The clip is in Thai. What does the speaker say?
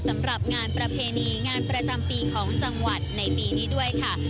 สำหรับงานประเพณีงานประจำปีของจังหวัดในปีนี้ด้วยค่ะ